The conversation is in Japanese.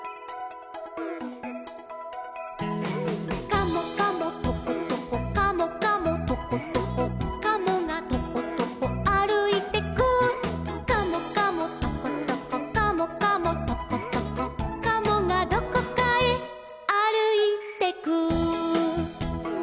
「カモカモトコトコカモカモトコトコ」「カモがトコトコあるいてく」「カモカモトコトコカモカモトコトコ」「カモがどこかへあるいてく」